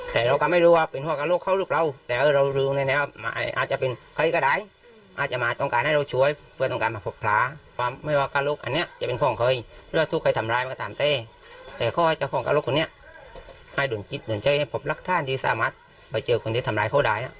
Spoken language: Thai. แต่เขาก็ต้องน่าจะทุกข์ทำร้ายมาก